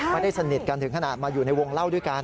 ไม่ได้สนิทกันถึงขนาดมาอยู่ในวงเล่าด้วยกัน